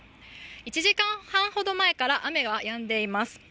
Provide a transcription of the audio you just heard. １時間半ほど前から雨はやんでいます。